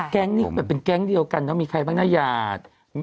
แก๊งนี้ก็แบบเป็นแก๊งเดียวกันนะมีใครบ้างนะหยาด